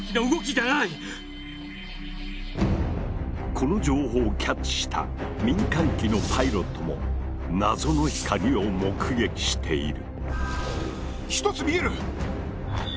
この情報をキャッチした民間機のパイロットも謎の光を目撃している。